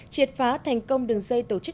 triệt phá thành công đường dây tổ chức đánh bạc